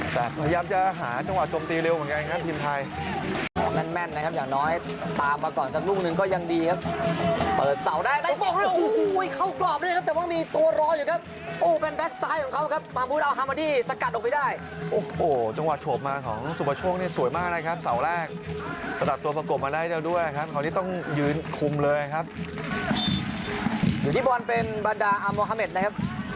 แต่พยายามจะหาจังหวะจมตีเร็วเหมือนกันครับทีมไทยแม่นแม่นแม่นแม่นแม่นแม่นแม่นแม่นแม่นแม่นแม่นแม่นแม่นแม่นแม่นแม่นแม่นแม่นแม่นแม่นแม่นแม่นแม่นแม่นแม่นแม่นแม่นแม่นแม่นแม่นแม่นแม่นแม่นแม่นแม่นแม่นแม่